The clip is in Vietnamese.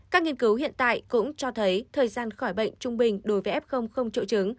các nghiên cứu hiện tại cũng cho thấy thời gian khỏi bệnh trung bình đối với f không triệu chứng